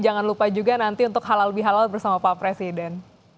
jangan lupa juga nanti untuk halal bihalal bersama pak presiden